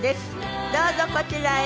どうぞこちらへ。